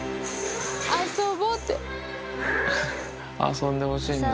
遊んでほしいんだ。